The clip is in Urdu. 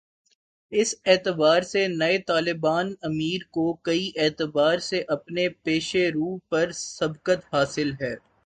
اس اعتبار سے نئے طالبان امیر کو کئی اعتبار سے اپنے پیش رو پر سبقت حاصل ہے۔